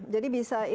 jadi bisa ini